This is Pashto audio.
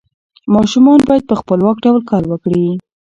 ماشومان باید په خپلواک ډول کار وکړي.